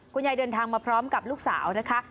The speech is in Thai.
เดินทางมาพร้อมกับลูกสาวนะคะ